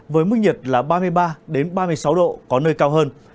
với mức nhiệt là ba mươi ba ba mươi sáu độ có nơi cao hơn